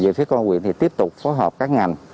về phía công an huyện thì tiếp tục phối hợp các ngành